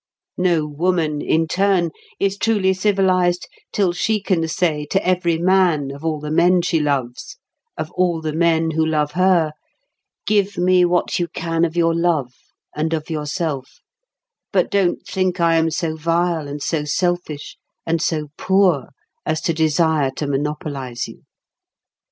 No woman, in turn, is truly civilised till she can say to every man of all the men she loves, of all the men who love her, "Give me what you can of your love, and of yourself; but don't think I am so vile, and so selfish, and so poor as to desire to monopolise you.